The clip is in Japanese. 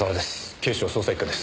警視庁捜査１課です。